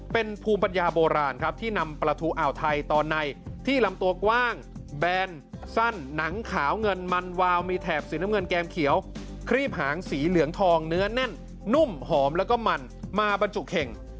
เป็นภูมิปัญญาโบราณครับที่นำปลาทูอ่าวไทยตอนในที่ลำตัวกว้างแบนสั้นหนังขาวเงินมันวาวมีแถบสีน้ำเงินแก้มเขียวครีบหางสีเหลืองทองเนื้อแน่นนุ่มหอมแล้วก็มันมาบรรจุเข่ง